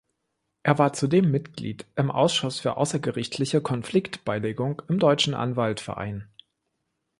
Er war zudem Mitglied im Ausschuss für außergerichtliche Konfliktbeilegung im Deutschen Anwaltverein.